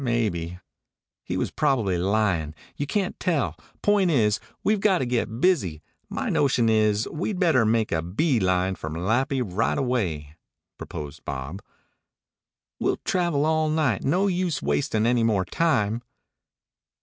Maybe " "He was probably lyin'. You can't tell. Point is, we've got to get busy. My notion is we'd better make a bee line for Malapi right away," proposed Bob. "We'll travel all night. No use wastin' any more time."